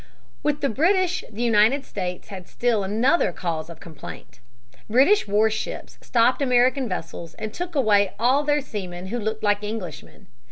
With the British the United States had still another cause of complaint. British warships stopped American vessels and took away all their seamen who looked like Englishmen.